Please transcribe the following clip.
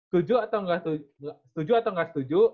setuju atau nggak setuju